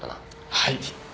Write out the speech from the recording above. はい。